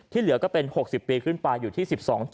เหลือก็เป็น๖๐ปีขึ้นไปอยู่ที่๑๒๗